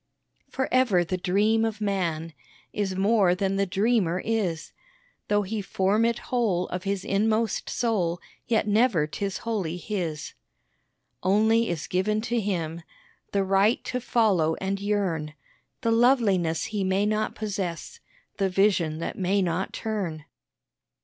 For ever the dream of man Is more than the dreamer is; Though he form it whole of his inmost soul, Yet never 'tis wholly his. Only is given to him The right to follow and yearn The loveliness he may not possess, The vision that may not turn.